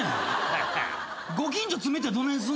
ご近所詰めてどないすんねん。